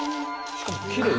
しかもきれい。